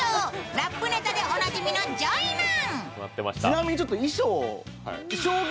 ラップネタでおなじみのジョイマン。